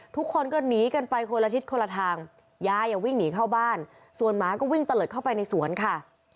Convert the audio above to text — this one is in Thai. ทุกคนก็หนีกันไปคนละทิศคนละทางยายวิ่งหนีเข้าบ้านส่วนหมาก็วิ่งตะเลิดเข้าไปในสวนค่ะ